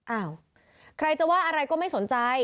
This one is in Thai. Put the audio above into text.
อ้าวใครจะว่าอะไรก็ไม่สนใจ